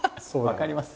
分かります。